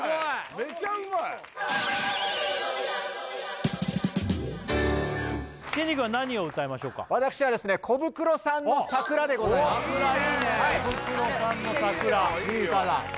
めちゃうまいきんに君は何を歌いましょうか私はですねコブクロさんの「桜」でございますいいねコブクロさんの「桜」いい歌だ